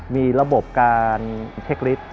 มีระบบการเช็คฤทธิ์